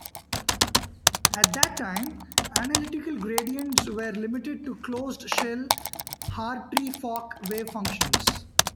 At that time, analytical gradients were limited to closed-shell Hartree-Fock wavefunctions.